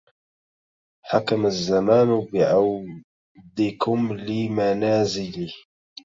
حكم الزمان بعودكم لمنازلي